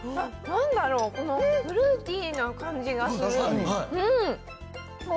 なんだろう、このフルーティーな感じがする。